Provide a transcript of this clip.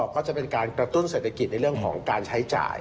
ก็จะเป็นการกระตุ้นเศรษฐกิจในเรื่องของการใช้จ่าย